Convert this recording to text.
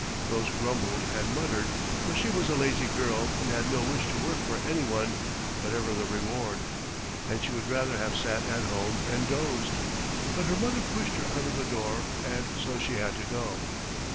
Rose grumbled and muttered, for she was a lazy girl and had no wish to work for any one, whatever the reward, and she would rather have sat at home and dozed; but her mother pushed her out of the door, and so she had to go.